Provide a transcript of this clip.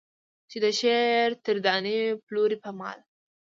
چې د شعر در دانې پلورې په مال.